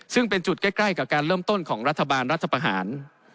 ซึ่งเป็นจุดใกล้กับการเริ่มต้นของรัฐบาลรัฐประหาร